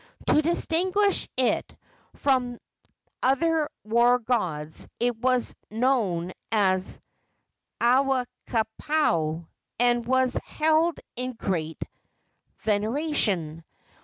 To distinguish it from other war gods it was known as Akuapaao, and was held in great veneration.